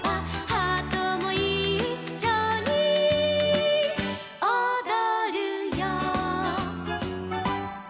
「ハートもいっしょにおどるよ」